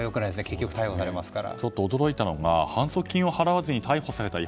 結局逮捕されますから。